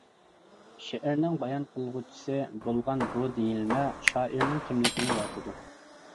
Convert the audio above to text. شېئىرنىڭ بايان قىلغۇچىسى بولغان بۇ دېيىلمە شائىرنىڭ كىملىكىنى يارىتىدۇ.